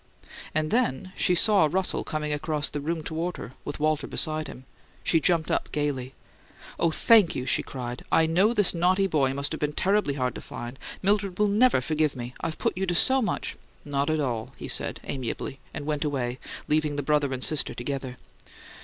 And then she saw Russell coming across the room toward her, with Walter beside him. She jumped up gaily. "Oh, thank you!" she cried. "I know this naughty boy must have been terribly hard to find. Mildred'll NEVER forgive me! I've put you to so much " "Not at all," he said, amiably, and went away, leaving the brother and sister together.